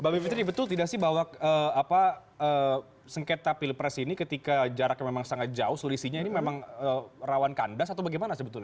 mbak bivitri betul tidak sih bahwa sengketa pilpres ini ketika jaraknya memang sangat jauh selisihnya ini memang rawan kandas atau bagaimana sebetulnya